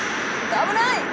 危ない！